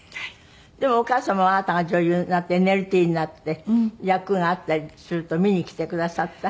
でもお母様はあなたが女優になってＮＬＴになって役があったりすると見にきてくださった？